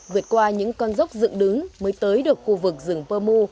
vượt qua những con dốc dựng đứng mới tới được khu vực rừng pơ mu